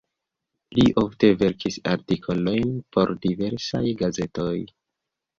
Li ofte verkis artikolojn por diversaj gazetoj.